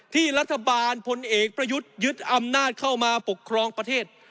ที่รัฐบาลพลเอกประยุทธ์ยึดอำนาจเข้ามาปกครองประเทศ